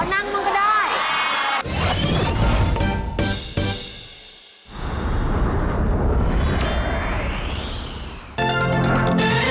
นั่งมามันก็ได้